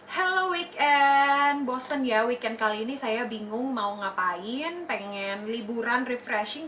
halo weekend bosen ya weekend kali ini saya bingung mau ngapain pengen liburan refreshing